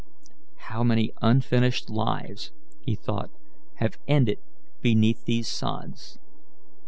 "How many unfinished lives," he thought, "have ended beneath these sods!